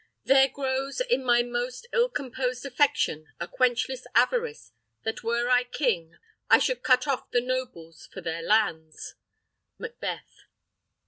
There grows In my most ill composed affection A quenchless avarice, that were I king I should cut off the nobles for their lands. Macbeth.